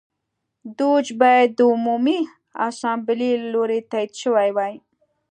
دوج باید د عمومي اسامبلې له لوري تایید شوی وای